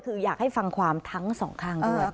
คืออยากให้ฟังความทั้งสองข้างด้วย